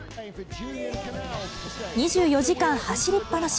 ２４時間走りっぱなし。